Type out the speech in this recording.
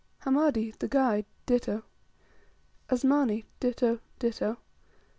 33. Hamadi (the guide), ditto. 34. Asmani, ditto, ditto. 35.